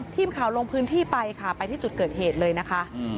ทีมข่าวลงพื้นที่ไปค่ะไปที่จุดเกิดเหตุเลยนะคะ